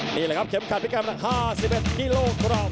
นี่แหละครับเข็มขัดพิกรรมหนัก๕๑กิโลกรัม